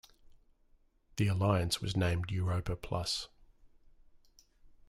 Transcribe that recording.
The alliance was named Europa Plus.